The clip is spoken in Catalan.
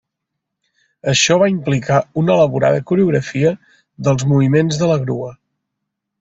Això va implicar una elaborada coreografia dels moviments de la grua.